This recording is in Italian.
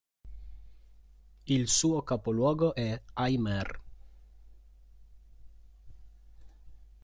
Il suo capoluogo è Ajmer.